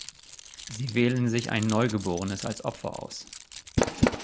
Sie wählen sich ein Neugeborenes als Opfer aus.